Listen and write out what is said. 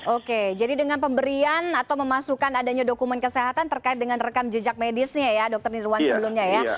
oke jadi dengan pemberian atau memasukkan adanya dokumen kesehatan terkait dengan rekam jejak medisnya ya dr nirwan sebelumnya ya